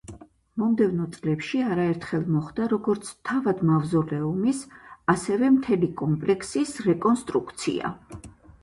მომდევნო წლებში არაერთხელ მოხდა როგორც თავად მავზოლეუმის, ასევე მთელი კომპლექსის რეკონსტრუქცია.